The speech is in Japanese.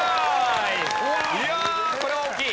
いやあこれは大きい！